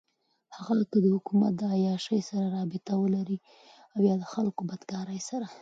هغــه كه دحــكومت دعيــاشۍ سره رابطه ولري اويا دخلـــكو دبدكارۍ سره.